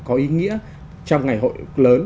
có ý nghĩa trong ngày hội lớn